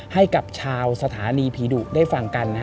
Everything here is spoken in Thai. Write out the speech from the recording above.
ให้กับชาวสถานีผีดุได้ฟังกัน